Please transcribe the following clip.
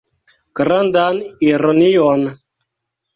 Grandan ironion.